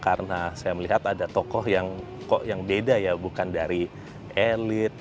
karena saya melihat ada tokoh yang kok yang beda ya bukan dari elit dari orang orang yang berbeda